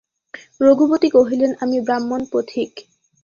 রঘুপতি কহিলেন, আমি ব্রাহ্মণ, পথিক।